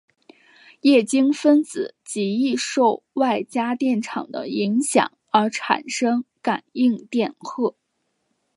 液晶分子极易受外加电场的影响而产生感应电荷。